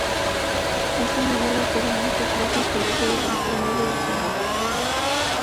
Es una hierba perenne, que crece y florece durante más de dos años.